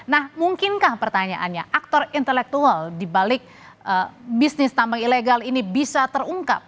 nah mungkinkah pertanyaannya aktor intelektual dibalik bisnis tambang ilegal ini bisa terungkap